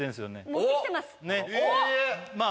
持ってきてます